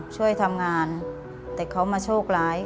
ช่วยทำงานแต่เขามาโชคร้าย